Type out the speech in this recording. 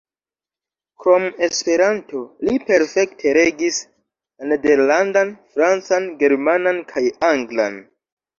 Krom Esperanto, li perfekte regis la nederlandan, francan, germanan kaj anglan.